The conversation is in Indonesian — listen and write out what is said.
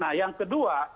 nah yang kedua